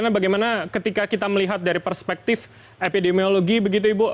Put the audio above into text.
bagaimana ketika kita melihat dari perspektif epidemiologi begitu ibu